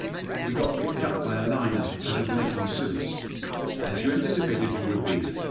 "We got picked up by a liner as was making Suez." " As you anticipated you would be.